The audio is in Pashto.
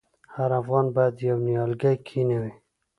هر افغان باید یو نیالګی کینوي؟